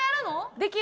できる？